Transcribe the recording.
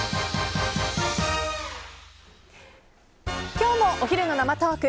今日もお昼の生トーク。